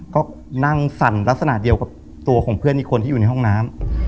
ก็นั่งสั่นลักษณะเดียวกับตัวของเพื่อนอีกคนที่อยู่ในห้องน้ำ